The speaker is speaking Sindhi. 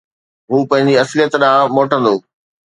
هو پنهنجي اصليت ڏانهن موٽندو